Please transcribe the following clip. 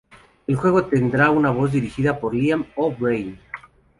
El juego tendrá una voz dirigida por Liam O'Brien.